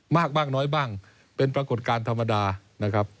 มากบ้างน้อยบ้างเป็นปรากฏการณ์ธรรมดานะครับ